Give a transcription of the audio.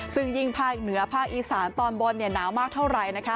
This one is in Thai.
ซึ่งยิ่งภาคเหนือภาคอีสานตอนบนหนาวมากเท่าไหร่นะคะ